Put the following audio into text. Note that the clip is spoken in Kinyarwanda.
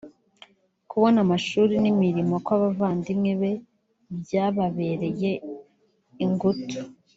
kubona amashuri n’imirimo kw’abavandimwe be byababereye ingutu